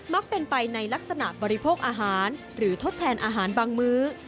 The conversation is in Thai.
ักเป็นไปในลักษณะบริโภคอาหารหรือทดแทนอาหารบางมื้อ